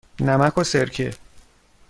نمک و سرکه.